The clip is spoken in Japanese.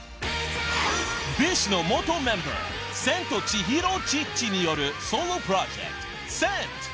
［ＢｉＳＨの元メンバーセントチヒロ・チッチによるソロプロジェクトＣＥＮＴ］